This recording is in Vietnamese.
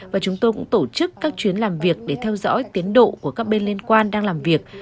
và chúng tôi cũng tổ chức các chuyến làm việc để theo dõi tiến độ của các bên liên quan đang làm việc